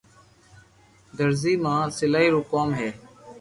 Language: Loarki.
درزي ما سلائي رو ڪوم ھي